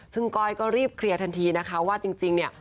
ซึ่งก้อยก็รีบเคลียร์ทันทีนะคะว่าจริงเนี่ย